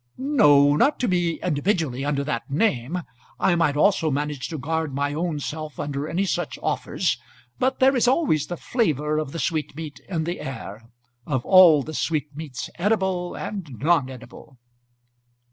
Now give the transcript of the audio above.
"No; not to me individually, under that name. I might also manage to guard my own self under any such offers. But there is always the flavour of the sweetmeat, in the air, of all the sweetmeats edible and non edible."